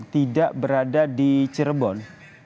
tidak berada di cirebon